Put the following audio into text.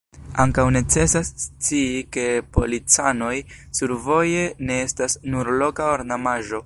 Ankaŭ necesas scii, ke policanoj survoje ne estas nur loka ornamaĵo.